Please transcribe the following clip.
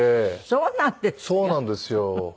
そうなんですよ。